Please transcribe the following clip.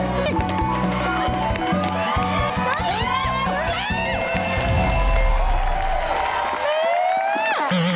ก็ไม่เป็นไร